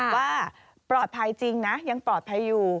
ว่าปลอดภัยจริงนะยังปลอดภัยอยู่